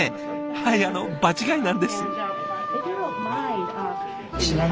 はいあの場違いなんです。